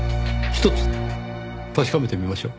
ひとつ確かめてみましょう。